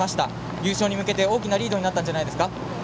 優勝に向けて大きなリードになったんじゃないですか。